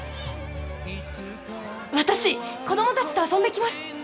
私子供たちと遊んできます。